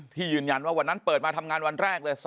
ยืนยันว่าวันนั้นเปิดมาทำงานวันแรกเลย